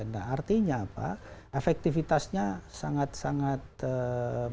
nah artinya apa efektivitasnya sangat sangat bermanfaat bagaimana